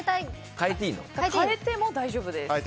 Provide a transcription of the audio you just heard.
変えても大丈夫です。